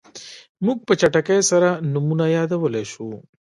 موږ په چټکۍ سره نومونه یادولی شو.